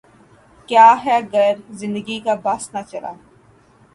کیا ہے گر زندگی کا بس نہ چلا